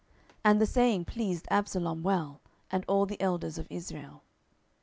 10:017:004 And the saying pleased Absalom well, and all the elders of Israel.